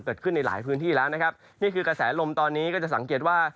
เกิดขึ้นในหลายพื้นที่แล้วนะครับนี่คือกระแสลมตอนนี้ก็จะสังเกตว่า